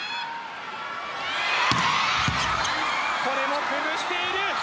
これも崩している。